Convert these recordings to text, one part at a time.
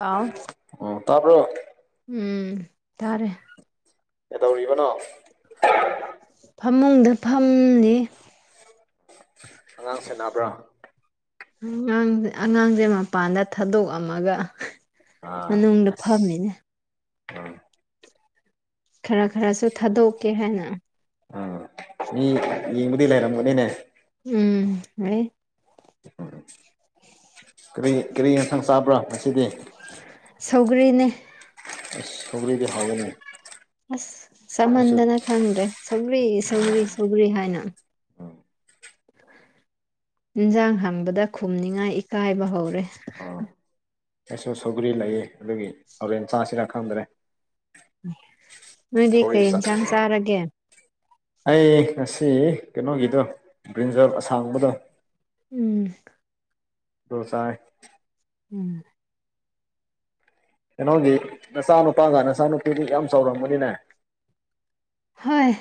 ꯑꯥꯎ ꯎ ꯇꯞꯣ ꯎꯝ ꯇꯥꯔꯦ ꯀꯩꯗꯧꯔꯤꯕꯅꯣ ꯐꯃꯨꯡꯗ ꯐꯝꯅꯤ ꯑꯉꯥꯡ ꯁꯦꯅꯕ꯭ꯔꯥ ꯑꯉꯥꯡ ꯑꯉꯥꯡꯁꯦ ꯃꯄꯥꯟꯗ ꯊꯥꯗꯣꯛꯑꯝꯃꯒ ꯑꯥ ꯃꯅꯨꯡꯗ ꯑꯁ ꯐꯝꯃꯤꯅꯦ ꯎꯝ ꯈꯔ ꯈꯔꯁꯨ ꯊꯥꯗꯣꯛꯀꯦ ꯍꯥꯏꯅ ꯑꯥ ꯃꯤ ꯌꯦꯡꯕꯨꯗꯤ ꯂꯩꯔꯝꯒꯅꯤꯅꯦ ꯎꯝ ꯑ ꯀꯔꯤ ꯀꯔꯤ ꯃꯊꯪ ꯆꯥꯕ꯭ꯔꯣ ꯉꯁꯤꯗꯤ ꯁꯧꯒꯔꯤꯅꯦ ꯁꯒ꯭ꯔꯤꯗ ꯍꯒꯅꯦ ꯑꯁ ꯆꯃꯟꯗꯅ ꯈꯪꯗ꯭ꯔꯦ ꯁꯧꯒ꯭ꯔꯤ ꯁꯒ꯭ꯔꯤ ꯁꯧꯒ꯭ꯔꯤ ꯍꯥꯏꯅ ꯑ ꯏꯟꯁꯥꯡ ꯍꯥꯡꯕꯗ ꯈꯨꯝꯅꯤꯉꯥꯏ ꯏꯀꯥꯏꯕ ꯍꯧꯔꯦ ꯑꯥ ꯑꯩꯁꯨ ꯁꯧꯒ꯭ꯔꯤ ꯂꯩꯌꯦ ꯑꯗꯨꯒꯤ ꯍꯣꯔꯦꯟ ꯆꯥꯁꯤꯔꯥ ꯈꯪꯗ꯭ꯔꯦ ꯃꯣꯏꯗꯤ ꯁꯧꯒ꯭ꯔꯤ ꯆꯥ ꯀꯩꯅ ꯁꯪ ꯆꯔꯒꯦ ꯑꯩ ꯉꯁꯤ ꯀꯩꯅꯣꯒꯤꯗꯣ ꯒ꯭ꯔꯤꯟꯖꯔ ꯑꯁꯥꯡꯕꯗꯣ ꯎꯝ ꯁꯥ ꯎꯝ ꯀꯩꯅꯣꯒꯤ ꯅꯆꯥ ꯅꯨꯄꯥꯒ ꯅꯆꯥꯅꯨꯄꯤꯒ ꯌꯥꯝ ꯆꯥꯎꯔꯝꯕꯅꯤꯅꯦ ꯍꯣꯏ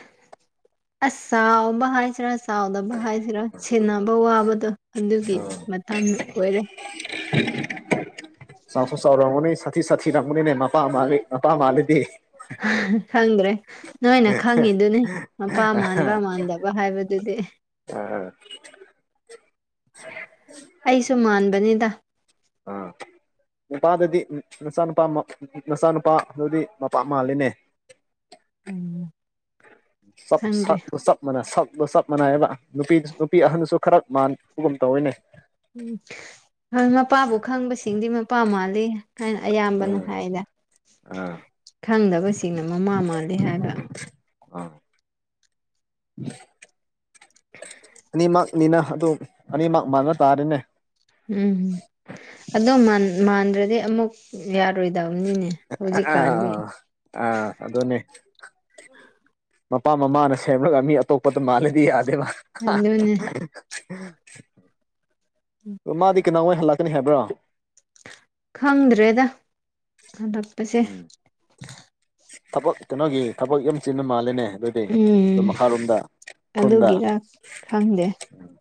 ꯑꯁ ꯆꯥꯎꯕ ꯍꯥꯏꯁꯤꯔꯥ ꯆꯥꯎꯗꯕ ꯍꯥꯏꯁꯤꯔꯥ ꯁꯦꯟꯅꯕ ꯋꯥꯕꯗꯣ ꯑꯗꯨꯒꯤ ꯃꯇꯝ ꯑꯣꯏꯔꯦ ꯆꯥꯎꯁꯨ ꯆꯥꯎꯔꯝꯃꯅꯤ ꯁꯥꯊꯤ ꯁꯥꯊꯤꯔꯝꯃꯅꯤꯅꯦ ꯃꯄꯥ ꯃꯥꯜꯂꯤ ꯃꯄꯥ ꯃꯥꯜꯂꯤꯗꯤ ꯍꯪ꯭ꯔꯦ ꯅꯣꯏꯅ ꯈꯪꯉꯤꯗꯨꯅꯤ ꯃꯄꯥ ꯃꯥꯟꯕ ꯃꯥꯟꯗꯕ ꯍꯥꯏꯕꯗꯨꯗꯤ ꯑ [unintelligible] ꯑꯩꯁꯨ ꯃꯥꯟꯕꯅꯤꯗ ꯑꯥ ꯅꯨꯄꯥꯗꯗꯤ ꯅꯆꯥꯅꯨꯄꯥ ꯅꯆꯥꯅꯨꯄꯥ ꯑꯗꯨꯗꯤ ꯃꯄꯥ ꯃꯥꯜꯂꯤꯅꯦ ꯎꯝ ꯁꯞ ꯁ ꯁꯞ ꯃꯅ ꯁꯞꯂꯣ ꯆꯞ ꯃꯥꯟꯅꯏꯑꯕ ꯅꯨꯄꯤ ꯅꯨꯄꯤ ꯑꯍꯟꯁꯨ ꯈꯔ ꯃꯥꯟꯕꯒꯨꯝ ꯇꯧꯋꯅꯦ ꯎꯝ ꯍꯣꯏ ꯃꯄꯥꯕꯨ ꯈꯪꯕꯁꯤꯡꯗꯤ ꯃꯄꯥ ꯃꯥꯜꯂꯤ ꯍꯥꯏꯅ ꯑꯌꯥꯝꯕꯅ ꯎꯝ ꯍꯥꯏꯗ ꯑꯥ ꯈꯪꯗꯕꯁꯤꯡꯅ ꯃꯃꯥ ꯃꯥꯜꯂꯤ ꯍꯥꯏꯕ ꯑꯥ ꯑꯅꯤꯃꯛꯅꯤꯅ ꯑꯗꯨ ꯑꯅꯤꯃꯛ ꯃꯥꯟꯅ ꯇꯥꯔꯦꯅꯦ ꯎꯝ ꯑꯗꯣ ꯃꯥꯟꯗ꯭ꯔꯗꯤ ꯑꯃꯨꯛ ꯌꯥꯔꯣꯏꯗꯕꯅꯤꯅꯦ ꯍꯧꯖꯤꯛꯀꯥꯟꯗꯤ ꯑ ꯑꯗꯟꯅꯦ ꯃꯄꯥ ꯃꯃꯥꯅ ꯁꯦꯝꯂꯒ ꯃꯤ ꯑꯇꯣꯞꯄꯗ ꯃꯥꯜꯂꯗꯤ ꯌꯥꯗꯦꯕ ꯍꯗꯅꯦ ꯃꯥꯗꯤ ꯀꯅꯥꯋꯥ ꯍꯜꯂꯛꯀꯅꯤ ꯍꯥꯏꯕ꯭ꯔꯣ ꯈꯪꯗ꯭ꯔꯦꯗ ꯍꯟꯗꯛ ꯎꯝ ꯊꯕꯛ ꯀꯩꯅꯣꯒꯤ ꯊꯕꯛ ꯌꯥꯝ ꯆꯤꯟꯅ ꯃꯥꯜꯂꯦꯅꯦ ꯑꯗꯨꯏꯗꯤ ꯑꯗꯨ ꯎꯝ ꯃꯈꯥꯔꯣꯝꯗ ꯈꯨꯟꯗ ꯑꯗꯨꯒꯤꯔ ꯈꯪꯗꯦ ꯎꯝ ꯎꯝ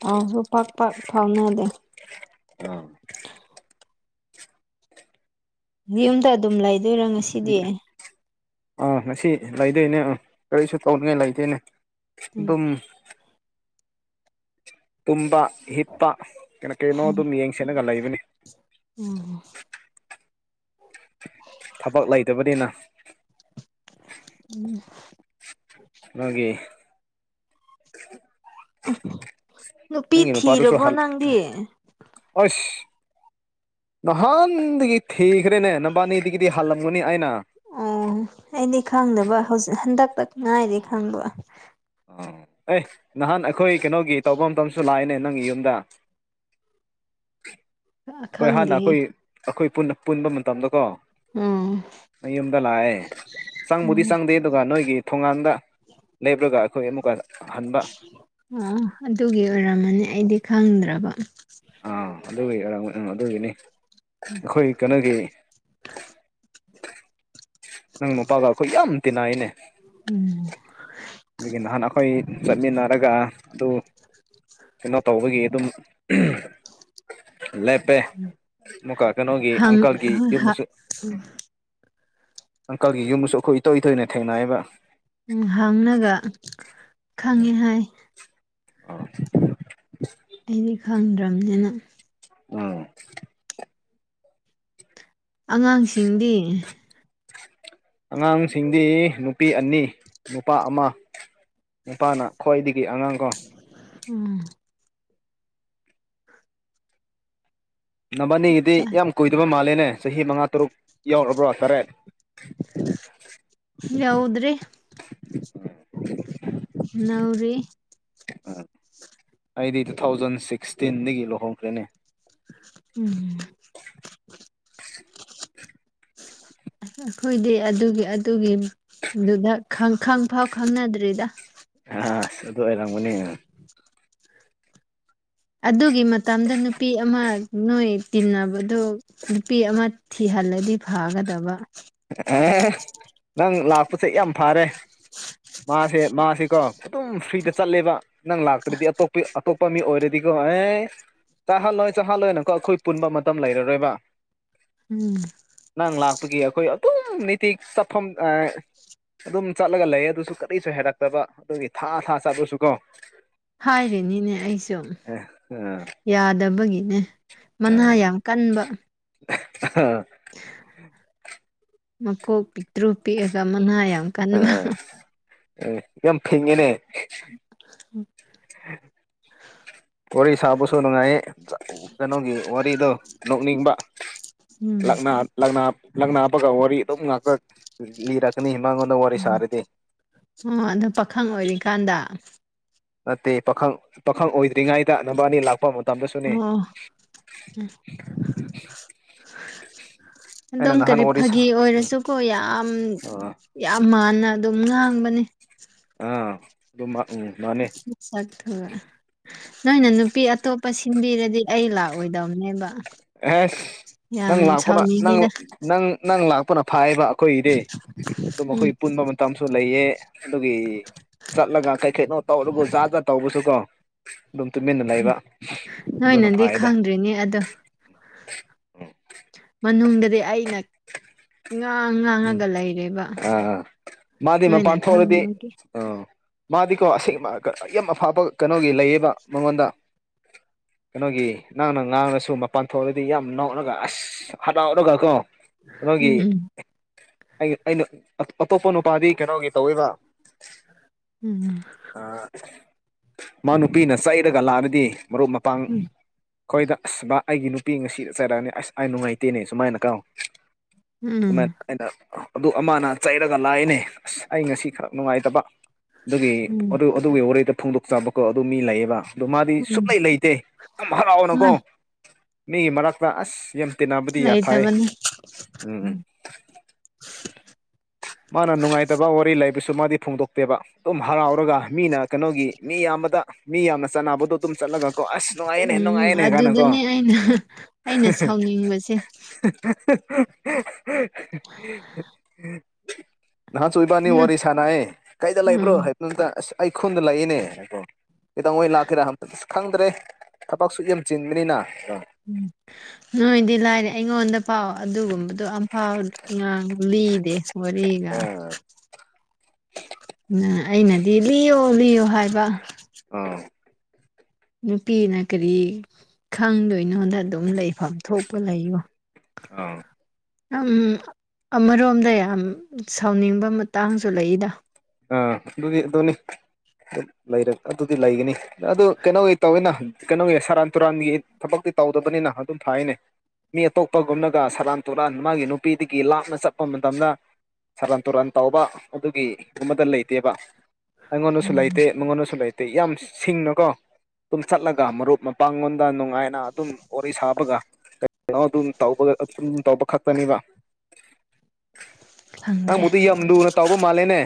ꯊꯥꯎꯁꯨ ꯄꯥꯛ ꯄꯥꯛ ꯐꯥꯎꯅꯗꯦ ꯑ ꯌꯨꯝꯗ ꯑꯗꯨꯝ ꯂꯩ ꯑꯥ ꯉꯁꯤ ꯂꯩꯗꯣꯏꯅꯦ ꯑꯥ ꯀꯔꯤꯁꯨ ꯇꯧꯅꯤꯡꯉꯥꯏ ꯂꯩꯗꯣꯏꯅꯦ ꯎꯝ ꯑꯗꯨꯝ ꯇꯨꯝꯕ ꯍꯤꯞꯄ ꯀꯩꯅꯣ ꯀꯩꯅꯣ ꯑꯗꯨꯝ ꯌꯦꯡ ꯁꯦꯠꯂꯒ ꯂꯩꯕꯅꯤ ꯎꯝ ꯊꯕꯛ ꯂꯩꯇꯕꯅꯤꯅ ꯎꯝ ꯃꯥꯒꯤ ꯅꯨꯄꯤ ꯅꯪꯒꯤ ꯅꯨꯄꯥꯗꯨꯁꯨ ꯊꯤꯔꯕꯣ ꯍꯜ ꯅꯪꯗꯤ ꯑꯁ ꯅꯍꯥꯟꯗꯒꯤ ꯊꯤꯈ꯭ꯔꯦꯅꯦ ꯅꯕꯥꯅꯤꯗꯒꯤꯗꯤ ꯍꯜꯂꯝꯒꯅꯤ ꯑꯩꯅ ꯑꯣ ꯑꯩꯗꯤ ꯈꯪꯗꯕ ꯍꯧꯖꯤꯛ ꯍꯟꯗꯛꯇ ꯉꯥꯏꯗꯤ ꯈꯪꯕ ꯑ ꯑꯦ ꯅꯍꯥꯟ ꯑꯩꯈꯣꯏ ꯀꯩꯅꯣꯒꯤ ꯇꯧꯕ ꯃꯇꯝꯇꯁꯨ ꯂꯥꯛꯏꯅꯦ ꯅꯪꯒꯤ ꯌꯨꯝꯗ ꯑꯩꯈꯣꯏ ꯍꯥꯟꯅ ꯈꯪꯗꯦꯍꯦ ꯑꯩꯈꯣꯏ ꯑꯩꯈꯣꯏ ꯄꯨꯟꯕ ꯃꯇꯝꯗ ꯀꯣ ꯎꯝ ꯑꯩ ꯎꯝꯗ ꯂꯑ ꯁꯥꯡꯪ ꯃꯗꯤ ꯑꯣ ꯁꯒꯗꯦꯗꯗꯨ ꯀꯥꯟꯅ ꯑꯣꯏꯒꯦ ꯊꯣꯉꯥꯟꯗ ꯂꯦꯞꯂꯒ ꯑꯩꯈꯣꯏ ꯑꯃꯨꯛꯀ ꯍꯟꯕ ꯑꯣ ꯑꯗꯨꯒꯤ ꯑꯣꯏꯔꯝꯃꯅꯤ ꯑꯩꯗꯤ ꯈꯪꯗ꯭ꯔꯕ ꯑꯥ ꯑꯗꯨꯒꯤꯔꯥꯡ ꯑꯗꯨꯒꯤꯅꯤ ꯑꯩꯈꯣꯏ ꯀꯩꯅꯣꯒꯤ ꯅꯪ ꯃꯄꯥꯒ ꯑꯩꯈꯣꯏ ꯌꯥꯝ ꯇꯤꯅꯥꯏꯅꯦ ꯎꯝ ꯑꯗꯒꯤ ꯅꯍꯥꯟ ꯑꯩꯈꯣꯏ ꯆꯠꯃꯤꯟꯅꯔꯒ ꯑꯗꯨ ꯀꯩꯅꯣ ꯇꯧꯕꯒꯤ ꯑꯗꯨꯝ ꯂꯦꯞꯄꯦ ꯑꯃꯨꯀ ꯀꯩꯅꯣꯒꯤ ꯑꯪꯀꯜꯒꯤ ꯌꯨꯝꯁꯨ ꯎ ꯑꯪꯀꯜꯒꯤ ꯌꯨꯝꯁꯨ ꯑꯩꯈꯣꯏ ꯏꯇꯣꯏ ꯏꯇꯣꯏꯅ ꯊꯦꯡꯅꯩꯕ ꯎꯝ ꯍꯪꯅꯒ ꯈꯪꯉꯦ ꯍꯥꯏ ꯑꯥ ꯑꯩꯗꯤ ꯈꯪꯗ꯭ꯔꯕꯅꯤꯅ ꯎꯝ ꯑꯉꯥꯡꯁꯤꯡꯗꯤ ꯑꯉꯥꯡꯁꯤꯡꯗꯤ ꯅꯨꯄꯤ ꯑꯅꯤ ꯅꯨꯄꯥ ꯑꯃ ꯅꯨꯄꯥꯅ ꯈ꯭ꯋꯥꯏꯗꯒꯤ ꯑꯉꯥꯡ ꯀꯣ ꯎꯝ ꯆꯞ ꯅꯕꯥꯅꯤꯒꯤꯗꯤ ꯆꯥꯔꯦ ꯌꯥꯝ ꯀꯨꯏꯗꯕ ꯃꯥꯜꯂꯦꯅꯦ ꯆꯍꯤ ꯃꯉꯥ ꯇꯔꯨꯛ ꯌꯧꯔꯕ꯭ꯔꯣ ꯇꯔꯦꯠ ꯎꯝ ꯌꯧꯗ꯭ꯔꯤ ꯅꯥꯎꯔꯤ ꯎꯝ ꯑꯩꯗꯤ ꯇꯨ ꯊꯥꯎꯖꯟ ꯁꯤꯛꯁꯇꯤꯟꯗꯒꯤ ꯂꯨꯍꯣꯡꯈ꯭ꯔꯦꯅꯦ ꯎꯝ ꯑꯩꯈꯣꯏꯗꯤ ꯑꯗꯨꯒꯤ ꯑꯗꯨꯒꯤ ꯑꯗꯨꯗ ꯈꯪ ꯈꯪ ꯐꯥꯎ ꯈꯪꯅꯗ꯭ꯔꯤꯗ ꯑ ꯑ ꯑꯗꯨ ꯑꯣꯏꯔꯝꯒꯅꯦ ꯑꯗꯨꯒꯤ ꯃꯇꯝꯗ ꯅꯨꯄꯤ ꯑꯃ ꯅꯣꯏ ꯇꯤꯟꯅꯕꯗꯨ ꯅꯨꯄꯤ ꯑꯃ ꯊꯤꯍꯜꯂꯗꯤ ꯐꯒꯗꯕ ꯅꯪ ꯂꯥꯛꯄꯁꯦ ꯌꯥꯝ ꯐꯔꯦ ꯃꯥꯁꯦ ꯃꯥꯁꯤꯀꯣ ꯑꯗꯨꯝ ꯐ꯭ꯔꯤꯗ ꯆꯠꯂꯦꯕ ꯅꯪ ꯂꯥꯛꯇ꯭ꯔꯗꯤ ꯑꯇꯣꯞꯄ ꯑꯇꯣꯞꯄ ꯃꯤ ꯑꯣꯏꯔꯗꯤꯀꯣ ꯑꯦ ꯆꯥꯍꯜꯂꯣꯏ ꯆꯥꯍꯜꯂꯣꯏꯅꯀꯣ ꯑꯩꯈꯣꯏ ꯄꯨꯟꯕ ꯃꯇꯝ ꯂꯩꯔꯔꯣꯏꯕ ꯎꯝ ꯅꯪ ꯂꯥꯛꯄꯒꯤ ꯑꯩꯈꯣꯏ ꯑꯗꯨꯝ ꯅꯤꯇꯤꯛ ꯆꯠꯐꯝ ꯑꯗꯨꯝ ꯆꯠꯂꯒ ꯂꯩ ꯑꯗꯨꯁꯨ ꯀꯔꯤꯁꯨ ꯍꯥꯏꯔꯛꯇꯕ ꯑꯗꯨꯒꯤ ꯊꯥ ꯊꯥ ꯆꯠꯂꯨꯁꯨ ꯀꯣ ꯍꯥꯏꯔꯤꯅꯤꯅꯦ ꯑꯩꯁꯨ ꯌꯥꯗꯕꯒꯤꯅꯦ ꯃꯅꯥ ꯌꯥꯝ ꯀꯟꯕ ꯑ ꯃꯀꯣꯛ ꯄꯤꯛꯇ꯭ꯔꯨ ꯄꯤꯛꯑꯒ ꯃꯅꯥ ꯌꯥꯝ ꯀꯟꯕ ꯑ ꯌꯥꯝ ꯏꯅꯦ ꯎꯝ ꯎ ꯋꯥꯔꯤ ꯁꯥꯕꯁꯨ ꯅꯨꯡꯉꯥꯏꯌꯦ ꯀꯩꯅꯣꯒꯤ ꯋꯥꯔꯤꯗꯣ ꯅꯣꯛꯅꯤꯡꯕ ꯎꯝ ꯂꯛꯕꯒ ꯋꯥꯔꯤ ꯑꯗꯨꯝ ꯉꯥꯛꯇ ꯂꯤꯔꯛ ꯀ ꯍꯤꯃꯥꯡꯒꯣꯟꯗ ꯋꯥꯔꯤ ꯎꯝ ꯁꯥꯔꯗꯤ ꯑꯣ ꯑꯗꯣ ꯄꯥꯈꯪ ꯑꯣꯏꯔꯤꯀꯥꯟꯗ ꯅꯠꯇꯦ ꯄꯥꯈꯪ ꯄꯥꯈꯪ ꯑꯣꯏꯗ꯭ꯔꯤꯉꯩꯗ ꯅꯝꯕꯔ ꯑꯅꯤ ꯂꯥꯛꯄ ꯇꯝꯕꯁꯨꯅꯦ ꯑꯣ ꯑꯗꯨꯝ ꯀꯔꯤ ꯐꯥꯒꯤ ꯑꯣꯏꯔꯁꯨꯀꯣ ꯌꯥꯝ ꯑꯥ ꯌꯥꯝ ꯃꯥꯟꯅ ꯑꯗꯨꯝ ꯉꯥꯡꯕꯅꯤ ꯑꯥ ꯑꯗꯨ ꯎꯝ ꯃꯥꯅꯦ ꯆꯥꯛꯊꯨꯔꯦ ꯅꯣꯏꯅ ꯅꯨꯄꯤ ꯑꯇꯣꯞꯄ ꯁꯤꯟꯕꯤꯔꯗꯤ ꯑꯩ ꯂꯥꯛꯑꯣꯏꯗꯕꯅꯦꯕ ꯑꯦ ꯌꯥꯝ ꯅꯪ ꯂꯥꯛꯄꯅ ꯅꯪ ꯁꯥꯎꯅꯤꯡꯉꯤꯗ ꯅꯪ ꯅꯪ ꯂꯥꯛꯄꯅ ꯐꯥꯏꯕ ꯑꯩꯈꯣꯏꯗꯤ ꯑꯗꯨꯝ ꯎꯝ ꯑꯩꯈꯣꯏ ꯄꯨꯟꯕ ꯃꯇꯝꯁꯨ ꯂꯩꯑ ꯑꯗꯨꯒꯤ ꯆꯠꯂꯒ ꯀꯔꯤ ꯀꯩꯅꯣ ꯇꯧꯔꯕꯨ ꯖꯥ ꯖꯥ ꯇꯧꯕꯁꯨ ꯀꯣ ꯑꯗꯨꯝ ꯇꯨꯃꯤꯟꯅ ꯂꯩꯕ ꯑꯗꯨꯅ ꯐꯩꯗ ꯑꯗꯨꯔꯤꯅꯦ ꯑꯗꯣ [unintelligible] ꯃꯅꯨꯡꯗꯗꯤ ꯑꯩꯅ ꯉꯥꯡ ꯉꯥꯡꯉꯒ ꯂꯩꯔꯦꯕ ꯑꯥ ꯅꯣꯏꯅ ꯈꯪꯅꯤꯡꯕꯒꯤ ꯑ ꯃꯥꯗꯤꯀꯣ ꯑꯁꯦꯡ ꯌꯥꯝ ꯑꯐꯕ ꯀꯩꯅꯣꯒꯤ ꯂꯩꯌꯦꯕ ꯃꯉꯣꯟꯗ ꯀꯩꯅꯣꯒꯤ ꯅꯪꯅ ꯉꯥꯡꯅꯁꯨ ꯃꯄꯥꯟ ꯊꯣꯛꯂꯗꯤ ꯌꯥꯝ ꯅꯧꯔꯒ ꯑꯁ ꯍꯂꯔ ꯀ ꯀꯣ ꯀꯩꯅꯣꯒꯤ ꯎꯝ ꯎꯝ ꯑꯩ ꯑꯩꯅ ꯑꯇꯣꯞꯄ ꯅꯨꯄꯥꯗꯤ ꯀꯩꯅꯣꯒꯤ ꯇꯧꯋꯕ ꯎꯝ ꯃꯥ ꯅꯨꯄꯤꯅ ꯆꯩꯔꯒ ꯂꯥꯛꯑꯕꯗꯤ ꯃꯔꯨꯞ ꯃꯄꯥꯡ ꯎꯝ ꯑꯩꯈꯣꯏꯗ ꯑꯁ ꯕꯥ ꯑꯩꯒꯤ ꯅꯨꯄꯤ ꯉꯁꯤꯗ ꯆꯠꯔꯛꯑꯅꯤ ꯑꯁ ꯑꯥꯏ ꯅꯨꯡꯉꯥꯏꯇꯦꯅꯦ ꯁꯨꯃꯥꯏꯅ ꯀꯥꯎꯣ ꯎꯝ ꯑꯗꯨꯃꯥꯏꯅ ꯑꯩꯅ ꯑꯗꯨ ꯑꯃꯅ ꯆꯩꯔꯒ ꯂꯥꯛꯅꯦ ꯑꯁ ꯑꯩ ꯉꯁꯤ ꯈꯔ ꯅꯨꯡꯉꯥꯏꯇꯕ ꯑꯗꯨꯒꯤ ꯎꯝ ꯑꯗꯨ ꯑꯗꯨꯒꯤ ꯋꯥꯔꯤꯗ ꯐꯣꯡꯗꯣꯛꯆꯕꯀꯣ ꯑꯗꯨ ꯃꯤ ꯂꯩꯌꯦꯕ ꯑꯗ ꯃꯥꯗꯤ ꯎꯝ ꯁꯨꯛꯂꯩ ꯎꯝ ꯂꯩꯇꯦ ꯌꯥꯝ ꯑ ꯍꯔꯥꯎꯅꯀꯣ ꯃꯤꯒꯤ ꯃꯔꯛꯇ ꯑꯁ ꯌꯥꯝꯦꯝ ꯇꯅꯥ ꯙꯌꯥ ꯊꯑ ꯂꯩꯇꯕꯅꯤ ꯎꯝ ꯃꯥꯅ ꯅꯨꯡꯉꯥꯏꯇꯕ ꯋꯥꯔꯤ ꯂꯩꯕꯁꯨ ꯃꯥꯗꯤ ꯐꯣꯡꯗꯣꯛꯇꯦꯕ ꯑꯗꯨꯝ ꯍꯔꯥꯎꯔꯒ ꯃꯤꯅ ꯀꯩꯅꯣꯒꯤ ꯃꯤ ꯌꯥꯝꯕꯗ ꯃꯤ ꯌꯥꯝꯅ ꯆꯥꯟꯅꯕꯗꯣ ꯑꯗꯨꯝ ꯆꯠꯂꯒ ꯀꯣ ꯑꯁ ꯅꯨꯡꯉꯥꯏꯅꯦ ꯎꯝ ꯅꯨꯡꯉꯥꯏꯅꯦ ꯀꯥꯅ ꯀꯣ ꯑꯗꯨꯗꯅꯦ ꯑꯩꯅ ꯎꯝ ꯑꯩꯅ ꯁꯥꯎꯅꯤꯡꯕꯁꯦ [unintelligible] ꯅꯍꯥꯁꯨ ꯏꯕꯥꯅꯤ ꯋꯥꯔꯤ ꯁꯥꯟꯅꯑꯦ ꯀꯩꯗ ꯂꯩꯕ꯭ꯔꯣ ꯎꯝ ꯍꯥꯏ ꯑꯁ ꯑꯩ ꯈꯨꯟꯗ ꯂꯩꯏꯅꯦ ꯀꯩꯗꯧꯉꯩ ꯂꯥꯛꯀꯦꯔꯥ ꯍꯪꯕꯗ ꯑꯁ ꯈꯪꯗ꯭ꯔꯦ ꯊꯕꯛꯁꯨ ꯌꯥꯝ ꯆꯤꯟꯕꯅꯤꯅ ꯎꯝ ꯅꯣꯏꯗꯤ ꯂꯥꯏꯔꯦ ꯑꯩꯉꯣꯟꯗ ꯑꯝꯐꯥꯎ ꯑꯗꯨꯒꯨꯝꯕꯗꯣ ꯑꯝꯐꯥꯎ ꯉꯥꯡ ꯂꯤꯗꯦ ꯋꯥꯔꯤꯒ ꯑꯥ ꯅ ꯑꯩꯅꯗꯤ ꯂꯤꯌꯣ ꯂꯤꯌꯣ ꯍꯥꯏꯕ ꯑꯥ ꯅꯨꯄꯤꯅ ꯀꯔꯤ ꯈꯪꯗꯣꯏꯅꯣꯗ ꯑꯗꯨꯝ ꯂꯩꯐꯝ ꯊꯣꯛꯄ ꯂꯩꯌꯣ ꯑꯥ ꯑꯝ ꯑꯃꯔꯣꯝꯗ ꯌꯥꯝ ꯁꯥꯎꯅꯤꯡꯕ ꯃꯇꯥꯡꯁꯨ ꯂꯩꯗ ꯑꯥ ꯑꯗꯨꯗꯤ ꯑꯗꯨꯅꯤ ꯂꯩꯔꯦ ꯑꯗꯨꯗꯤ ꯂꯩꯒꯅꯤ ꯑꯗꯨ ꯀꯩꯅꯣꯋꯩ ꯇꯧꯋꯤꯅ ꯀꯩꯅꯣꯒꯤ ꯁꯔꯥꯟ ꯇꯨꯔꯥꯟꯒꯤ ꯊꯕꯛꯇꯤ ꯇꯧꯗꯕꯅꯤꯅ ꯑꯗꯨꯝ ꯐꯥꯏꯅꯦ ꯃꯤ ꯑꯇꯣꯞꯄꯒꯨꯝꯅꯒ ꯁꯔꯥꯟ ꯇꯨꯔꯥꯟ ꯃꯥꯒꯤ ꯅꯨꯄꯤꯗꯒꯤ ꯂꯥꯞꯅ ꯆꯠꯄ ꯃꯇꯝꯗ ꯁꯦꯔꯥꯟ ꯇꯨꯔꯥꯟ ꯇꯧꯕ ꯑꯗꯨꯒꯤ ꯑꯗꯨꯨꯝꯕꯗ ꯂꯩꯇꯦꯕ ꯑꯩꯉꯣꯟꯗꯁꯨ ꯎꯝ ꯂꯩꯇꯦ ꯃꯉꯣꯟꯗꯁꯨ ꯂꯩꯇꯦ ꯌꯥꯝ ꯁꯤꯡꯅꯨꯀꯣ ꯑꯗꯨꯨꯝ ꯆꯠꯂꯒ ꯃꯔꯨꯞ ꯃꯄꯥꯡꯂꯣꯟꯗ ꯅꯨꯡꯉꯥꯏꯅ ꯑꯗꯨꯝ ꯋꯥꯔꯤ ꯁꯥꯕꯒ ꯀꯩꯅꯣ ꯑꯗꯨꯝ ꯇꯩꯕ ꯑꯗꯨ ꯇꯧꯕ ꯈꯛꯇꯅꯤꯕ ꯈꯪꯗ꯭ꯔꯦ ꯅꯪꯕꯨꯗꯤ ꯌꯥꯝ ꯂꯨꯅ ꯇꯧꯕ ꯃꯥꯜꯂꯦꯅꯦ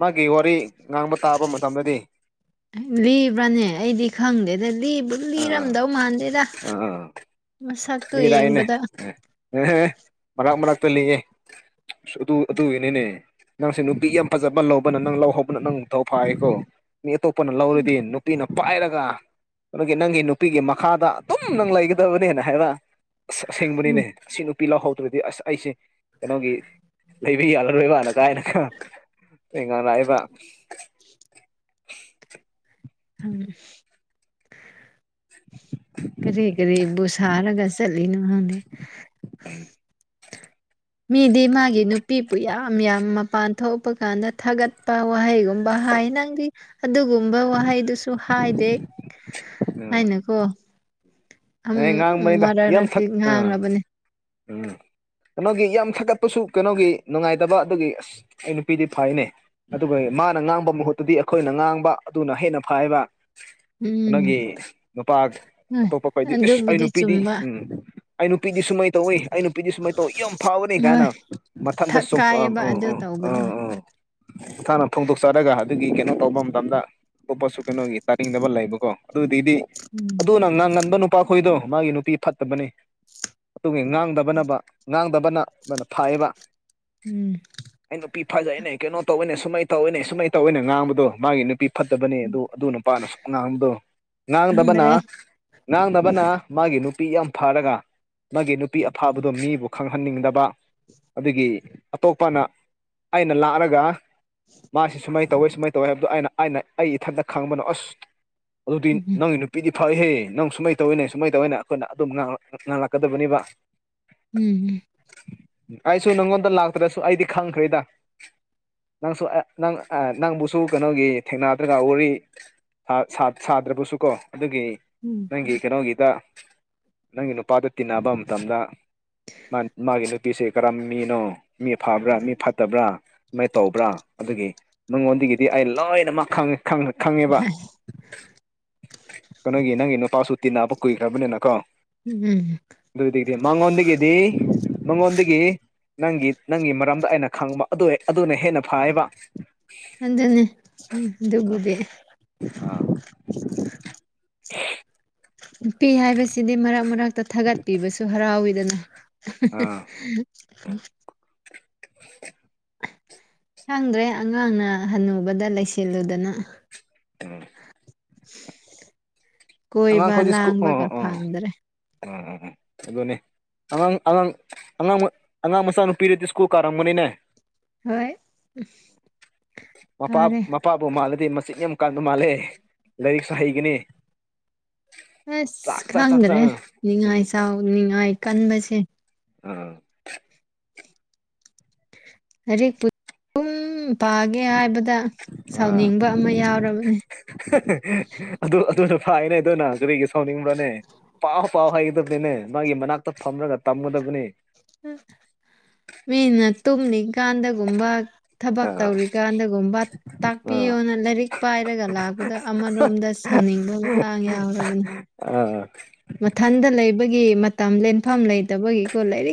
ꯃꯥꯒꯤ ꯋꯥꯔꯤ ꯉꯥꯡꯕ ꯇꯥꯕ ꯃꯇꯝꯗꯗꯤ ꯂꯤꯕ꯭ꯔꯥꯅꯦ ꯑꯩꯗꯤ ꯈꯪꯗꯦꯗ ꯂꯤꯕꯨ ꯑꯥ ꯂꯤꯔꯝꯗꯧ ꯃꯥꯟꯗꯦꯗ ꯑꯥ ꯃꯁꯛꯇꯨ ꯌꯦꯡꯕꯗ ꯑꯦꯍꯦ ꯃꯔꯥꯛ ꯃꯔꯥꯛꯛꯇ ꯂꯤꯌꯦ ꯑꯗꯨ ꯑꯗꯨꯏꯅꯤꯅꯦ ꯅꯪꯁꯦ ꯅꯨꯄꯤ ꯌꯥꯝ ꯐꯖꯕ ꯂꯧꯕꯅ ꯅꯪ ꯂꯧꯍꯧꯕꯅ ꯅꯪ ꯅꯤꯡꯊꯧ ꯐꯥꯏꯀꯣ ꯃꯤ ꯑꯇꯣꯞꯄꯅ ꯂꯧꯔꯗꯤ ꯅꯨꯄꯤꯅ ꯄꯥꯏꯔꯒ ꯑꯗꯒꯤ ꯅꯪꯒꯤ ꯅꯨꯄꯤꯒꯤ ꯃꯈꯥꯗ ꯑꯗꯨꯝ ꯅꯪ ꯂꯩꯒꯗꯕꯅꯦꯅ ꯍꯥꯏꯕ ꯎꯝ ꯁꯦꯡꯕꯅꯤꯅꯦ ꯁꯤ ꯁꯤꯅꯨꯄꯤ ꯂꯧꯍꯧꯗ꯭ꯔꯗꯤ ꯑꯁ ꯑꯩꯁꯦ ꯀꯩꯅꯣꯒꯤ ꯂꯩꯕ ꯌꯥꯔꯔꯣꯏꯕꯅ ꯀꯥꯏꯅꯒ ꯍꯥꯏꯔꯛꯏꯕ ꯌꯦ ꯍꯪ ꯀꯔꯤ ꯀꯔꯤꯕꯨ ꯁꯥꯔꯒ ꯆꯠꯂꯤꯅꯣ ꯈꯪꯗꯦ ꯎ ꯃꯤꯗꯤ ꯃꯥꯒꯤ ꯅꯨꯄꯤꯕꯨ ꯌꯥꯝ ꯌꯥꯝ ꯃꯄꯥꯟ ꯊꯣꯛꯄ ꯀꯥꯟꯗ ꯊꯥꯒꯠ ꯄꯥ ꯋꯥꯍꯩꯒꯨꯝꯕ ꯍꯥꯏ ꯅꯪꯗꯤ ꯑꯗꯨꯒꯨꯝꯕ ꯋꯥꯍꯩꯗꯨꯁꯨ ꯍꯥꯏꯗꯦ ꯍꯥꯏꯅꯀꯣ ꯎꯝ ꯑꯦ ꯉꯥꯡꯕꯅꯤꯗ ꯃꯔꯛ ꯌꯥꯝ ꯃꯔꯛꯇꯤ ꯊꯛ ꯎꯝ ꯉꯥꯡꯂꯕꯅꯦ ꯎꯝ ꯀꯩꯅꯣꯒꯤ ꯌꯥꯝ ꯊꯥꯒꯠꯄꯁꯨ ꯀꯩꯅꯣꯒꯤ ꯅꯨꯡꯉꯥꯏꯇꯕ ꯑꯗꯨꯒꯤ ꯑꯁ ꯑꯩ ꯅꯨꯄꯤꯗꯤ ꯐꯩꯅꯦ ꯑꯗꯨꯒ ꯃꯥꯅ ꯉꯥꯡꯕ ꯃꯍꯨꯠꯇꯨꯗꯤ ꯑꯩꯈꯣꯏꯅ ꯉꯥꯡꯕ ꯑꯗꯨꯅ ꯍꯦꯟꯅ ꯐꯩꯕ ꯎꯝ ꯀꯩꯅꯣꯒꯤ ꯅꯨꯄꯥ ꯍꯣꯏ ꯑꯇꯣꯞꯄꯈꯩꯗꯤ ꯑꯁ ꯑꯩ ꯑꯗꯨꯕꯨꯗꯤ ꯅꯨꯄꯤꯗꯤ ꯆꯨꯝꯕ ꯎꯝ ꯑꯩ ꯅꯨꯄꯤꯗꯤ ꯁꯨꯃꯥꯏꯅ ꯇꯧꯋꯦ ꯑꯩ ꯅꯨꯄꯤꯗꯤ ꯁꯨꯃꯥꯏꯅ ꯇꯧꯋꯦ ꯌꯥꯝ ꯐꯥꯅꯦ ꯀꯥꯏꯅ ꯍꯣꯏ ꯃꯊꯟꯇꯥ ꯊꯛ ꯁꯨꯝ ꯑꯣ ꯑ ꯀꯥꯏꯌꯦꯕ ꯑꯗꯨ ꯑ ꯑ ꯇꯧꯕꯗꯣ ꯎꯝ ꯃꯁꯥꯅ ꯐꯣꯡꯗꯣꯛꯆꯔꯒ ꯑꯗꯨꯒꯤ ꯀꯩꯅꯣ ꯇꯧꯕ ꯃꯇꯝꯗ ꯑꯇꯣꯞꯄꯁꯨ ꯀꯩꯅꯣꯒꯤ ꯇꯥꯅꯤꯡꯗꯕ ꯂꯩꯕꯀꯣ ꯑꯗꯨ ꯗꯤꯗꯤ ꯑꯗꯨ ꯎꯝ ꯅꯪ ꯉꯥꯡꯉꯟꯕ ꯅꯨ ꯅꯨꯄꯥꯈꯣꯏꯗꯣ ꯃꯥꯒꯤ ꯅꯨꯄꯤ ꯐꯠꯇꯕꯅꯤ ꯑꯗꯨꯒꯤ ꯉꯥꯡꯗꯕꯅꯕ ꯉꯥꯡꯗꯕꯅ ꯑꯗꯨꯅ ꯐꯩꯌꯦꯕ ꯎꯝ ꯑꯩ ꯅꯨꯄꯤ ꯐꯖꯩꯅꯦ ꯀꯩꯅꯣ ꯇꯧꯋꯦꯅꯦ ꯁꯨꯃꯩ ꯇꯧꯏꯅꯦ ꯁꯨꯃꯩ ꯇꯧꯏꯅ ꯉꯥꯡꯕꯗꯣ ꯃꯥꯒꯤ ꯅꯨꯄꯤ ꯐꯠꯇꯕꯅꯦ ꯎꯝ ꯑꯗꯨ ꯑꯗꯨ ꯅꯨꯄꯥꯅ ꯉꯥꯡꯕꯗꯣ ꯉꯥꯡꯗꯕꯅ ꯈꯪꯗ꯭ꯔꯦ ꯉꯥꯡꯗꯕꯅ ꯃꯥꯒꯤ ꯅꯨꯄꯤ ꯌꯥꯝ ꯐꯔꯒ ꯃꯥꯒꯤ ꯅꯨꯄꯤ ꯑꯐꯕꯗꯣ ꯃꯤꯕꯨ ꯈꯪꯍꯟꯅꯤꯡꯗꯕ ꯑꯗꯨꯒꯤ ꯑꯇꯣꯞꯄꯅ ꯑꯩꯅ ꯂꯥꯛꯔꯒ ꯃꯥꯁꯤ ꯁꯨꯃꯥꯏꯅ ꯇꯧꯋꯦ ꯁꯨꯃꯥꯏꯅ ꯇꯧꯋꯦ ꯍꯥꯏꯕꯗꯣ ꯑꯩꯅ ꯑꯩꯅ ꯑꯩ ꯏꯊꯟꯇ ꯈꯪꯕꯅ ꯑꯁ ꯑꯗꯨꯗꯤ ꯎꯝ ꯅꯪꯒꯤ ꯅꯨꯄꯤꯗꯤ ꯐꯩꯍꯦ ꯅꯪꯁꯨ ꯁꯨꯃꯥꯏ ꯇꯧꯏꯅꯦ ꯁꯨꯃꯥꯏ ꯇꯧꯋꯦꯅ ꯑꯩꯈꯣꯏꯅ ꯑꯗꯨꯝ ꯑꯩꯈꯣꯏꯅ ꯉꯥꯡꯂꯛꯀꯗꯕꯅꯦꯕ ꯎꯝꯝ ꯑꯩꯁꯨ ꯅꯪꯉꯣꯟꯗ ꯂꯥꯛꯇ꯭ꯔꯁꯨ ꯑꯩꯗꯤ ꯈꯪꯈ꯭ꯔꯦꯗ ꯅꯪꯁꯨ ꯅꯪ ꯅꯪꯕꯨꯁꯨ ꯀꯩꯅꯣꯒꯤ ꯊꯦꯡꯅꯗ꯭ꯔꯒ ꯋꯥꯔꯤ ꯁꯥ ꯁꯥꯗ꯭ꯔꯕꯁꯨ ꯀꯣ ꯑꯗꯨꯒꯤ ꯎꯝ ꯅꯪꯒꯤ ꯀꯩꯅꯣꯒꯤꯗ ꯅꯪꯒꯤ ꯅꯨꯄꯥꯗꯨ ꯇꯤꯟꯅꯕ ꯃꯇꯝꯗ ꯃꯥ ꯃꯥꯒꯤ ꯅꯨꯄꯤꯁꯦ ꯀꯔꯝ ꯃꯤꯅꯣ ꯃꯤ ꯐꯕ꯭ꯔꯥ ꯃꯤ ꯐꯠꯇꯕ꯭ꯔꯥ ꯁꯃꯥꯏ ꯇꯧꯕ꯭ꯔꯥ ꯑꯗꯨꯒꯤ ꯃꯉꯣꯟꯗꯒꯤꯗꯤ ꯑꯩ ꯂꯣꯏꯅꯃꯛ ꯈꯪꯉꯦ꯫ ꯈꯪꯉ ꯈꯪꯉꯦꯕ ꯀꯩꯅꯣꯒꯤ ꯅꯪꯒꯤ ꯅꯨ ꯄꯥꯁꯨ ꯇꯤꯟꯅꯕ ꯀꯨꯏꯈ꯭ꯔꯕꯅꯤꯅꯀꯣ ꯎꯝ ꯑꯗꯨꯗꯤꯗꯤ ꯃꯪꯉꯣꯟꯗꯒꯤꯗꯤ ꯃꯪꯉꯣꯟꯗꯒꯤ ꯅꯪꯒꯤ ꯅꯪꯒꯤ ꯃꯔꯝꯗ ꯑꯩꯅ ꯈꯪꯕ ꯑꯗꯨ ꯑꯗꯨꯅ ꯍꯦꯟꯅ ꯐꯩꯌꯦꯕ ꯑꯗꯨꯅꯤ ꯑꯗꯨꯕꯨꯗꯤ ꯑ [unintelligible] ꯅꯨꯄꯤ ꯍꯥꯏꯕꯁꯤꯗꯤ ꯃꯔꯛ ꯃꯔꯛꯇ ꯊꯥꯒꯠꯄꯤꯕꯁꯨ ꯍꯔꯥꯎꯋꯤꯗꯅ ꯍ ꯑꯥ ꯍ ꯈꯪꯗ꯭ꯔꯦ ꯑꯉꯥꯡꯅ ꯍꯟꯅꯨꯕꯗ ꯂꯩꯁꯤꯜꯂꯨꯗꯅ ꯀꯣꯏꯕ ꯑꯉꯥꯡꯈꯣꯏꯗꯤ ꯁ꯭ꯀꯨꯜ ꯂꯥꯡꯕꯒ ꯑꯥ ꯑꯥ ꯐꯪꯗ꯭ꯔꯦ ꯑꯥ ꯑꯥ [inaudible] ꯑꯗꯨꯅꯦ ꯑꯉꯥꯡ ꯑꯉꯥꯡ ꯑꯉꯥꯡ ꯑꯉꯥꯡ ꯃꯆꯥꯅꯨꯄꯤꯗꯨꯗꯤ ꯁ꯭ꯀꯨꯜ ꯀꯥꯔꯝꯒꯅꯤꯅꯦ ꯍꯣꯏ ꯀꯥꯔꯦ ꯕꯨ ꯃꯥꯜꯂꯗꯤ ꯃꯆꯤꯟ ꯌꯥꯝ ꯀꯟꯕ ꯃꯥꯜꯂꯦ ꯂꯥꯏꯔꯤꯛꯁꯨ ꯍꯩꯒꯅꯤ ꯑꯁ ꯆꯥꯛ ꯆꯥꯛ ꯆꯥꯛ ꯆꯥꯛ ꯈꯪꯗ꯭ꯔꯦ ꯑ ꯎꯝ ꯅꯤꯉꯥꯏ ꯆꯥꯎ ꯅꯤꯡꯉꯥꯏ ꯀꯟꯕꯁꯦ ꯑꯣ ꯂꯥꯏꯔꯤꯛꯄꯨ ꯑꯗꯨꯝ ꯄꯥꯒꯦ ꯍꯥꯏꯕꯗ ꯁꯥꯎꯅꯤꯡꯕ ꯑꯃ ꯌꯥꯎꯔꯕꯅꯦ ꯍ ꯍ ꯑꯗꯨ ꯑꯗꯨꯅ ꯐꯥꯏꯅꯦ ꯑꯗꯨꯅ ꯀꯔꯤꯒꯤ ꯁꯥꯎꯅꯤꯡꯕ꯭ꯔꯅꯦ ꯄꯥꯎ ꯄꯥꯎ ꯍꯥꯏꯒꯗꯕꯅꯤꯅꯦ ꯃꯥꯒꯤ ꯃꯅꯥꯛꯇ ꯐꯝꯔꯒ ꯇꯝꯒꯗꯕꯅꯦ ꯑꯁ ꯃꯤꯅ ꯇꯨꯝꯅꯤꯡꯀꯥꯟꯗꯒꯨꯝꯕ ꯊꯕꯛ ꯑꯥ ꯇꯧꯔꯤꯀꯥꯟꯗꯒꯨꯝꯕ ꯑꯥ ꯇꯥꯛꯄꯤꯌꯣꯅ ꯂꯥꯏꯔꯤꯛ ꯄꯥꯏꯔꯒ ꯂꯥꯛꯄꯗ ꯑꯃꯔꯣꯝꯗ ꯁꯥꯎꯅꯤꯡꯕ ꯃꯇꯥꯡ ꯌꯥꯎꯔꯕꯅꯤ꯫ ꯑ [unintelligible] ꯃꯊꯟꯇ ꯂꯩꯕꯒꯤ ꯃꯇꯝ ꯂꯦꯟꯐꯝ ꯂꯩꯇꯕꯒꯤꯀꯣ ꯂꯥꯏꯔꯤꯛ